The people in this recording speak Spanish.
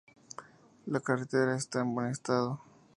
La carretera está en buen estado.